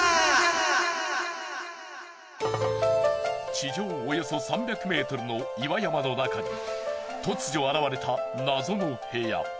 地上およそ３００ｍの岩山の中に突如現れた謎の部屋。